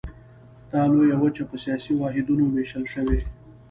دا لویه وچه په سیاسي واحدونو ویشل شوې.